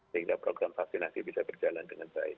sehingga program vaksinasi bisa berjalan dengan baik